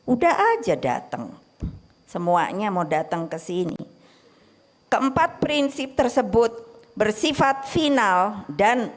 udah aja datang semuanya mau datang ke sini keempat prinsip tersebut bersifat final dan